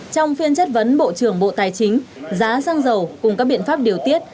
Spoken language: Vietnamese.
trong phiên chất vấn bộ trưởng bộ tài chính giá xăng dầu cùng các biện pháp điều tiết